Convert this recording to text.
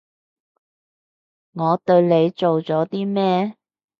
我對你做咗啲咩？